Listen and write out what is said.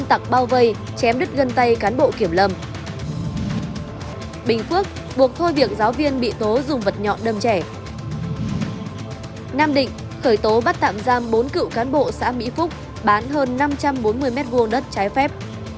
nam định khởi tố bắt tạm giam bốn cựu cán bộ xã mỹ phúc bán hơn năm trăm bốn mươi m hai đất trái phép